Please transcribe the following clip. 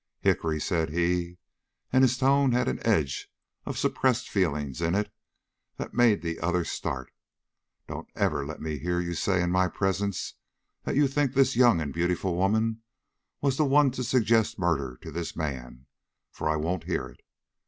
"Hickory," said he, and his tone had an edge of suppressed feeling in it that made the other start, "don't let me ever hear you say, in my presence, that you think this young and beautiful woman was the one to suggest murder to this man, for I won't hear it.